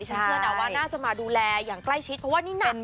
เชื่อนะว่าน่าจะมาดูแลอย่างใกล้ชิดเพราะว่านี่หนัก